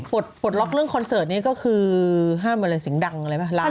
ปลดปลดล็อกเรื่องคอนเสิร์ตนี้ก็คือห้ามอะไรเสียงดังอะไรป่ะร้าน